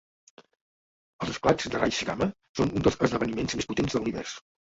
Els esclats de raigs gamma són un dels esdeveniments més potents de l'univers.